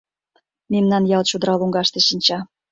Мемнан ял чодыра лоҥгаште шинча.